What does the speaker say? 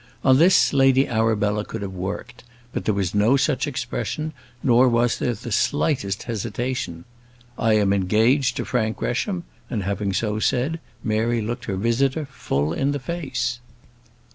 On this Lady Arabella could have worked; but there was no such expression, nor was there the slightest hesitation. "I am engaged to Frank Gresham," and having so said, Mary looked her visitor full in the face.